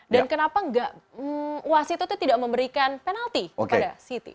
dan kenapa waz itu tidak memberikan penalti pada city